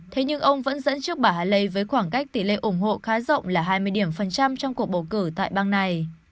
thế nhưng ông vẫn dẫn trước bà hàle với khoảng cách tỷ lệ ủng hộ khá rộng là hai mươi điểm phần trăm trong cuộc bầu cử tại bang này